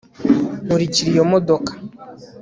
nkurikira iyo modoka